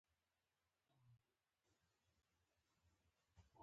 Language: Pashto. درې ډوله علامې د بېلابېلو سیمو لپاره موجودې دي.